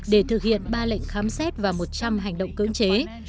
để thực hiện ba lệnh khám xét và một trăm linh hành động cưỡng chế